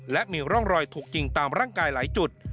และมีร่องรอยถูกยิงตามร่างกายหลายจุด